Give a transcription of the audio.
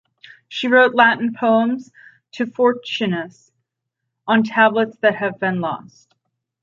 She wrote Latin poems to Fortunatus on tablets that have been lost.